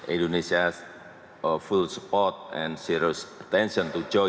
indonesia sepenuhnya mendukung dan memberikan perhatian untuk bergabung